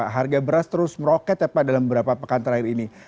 harga beras terus meroket dalam beberapa pekan terakhir ini